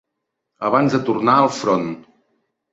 Abans de tornar al front